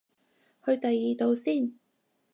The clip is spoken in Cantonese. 去第二度先